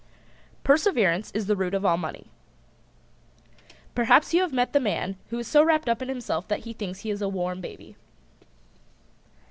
"] Perseverance is the root of all money. Perhaps you have met the man who is so wrapped up in himself that he thinks he is a warm baby.